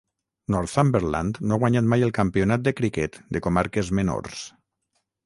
Northumberland no ha guanyat mai el campionat de criquet de comarques menors.